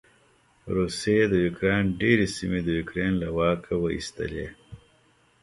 روسې د يوکراین ډېرې سېمې د یوکراين له واکه واېستلې.